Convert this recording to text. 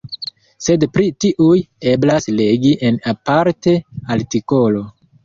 Sed pri tiuj eblas legi en aparta artikolo.